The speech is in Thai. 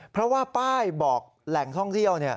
เพราะว่าป้ายบอกแหล่งท่องเที่ยว